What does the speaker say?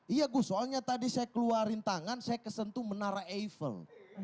iya gus soalnya tadi saya keluarin tangan saya kesentuh menara eiffel